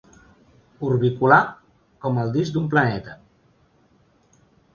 Orbicular com el disc d'un planeta.